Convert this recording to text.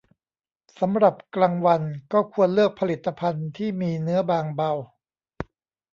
สำหรับกลางวันก็ควรเลือกผลิตภัณฑ์ที่มีเนื้อบางเบา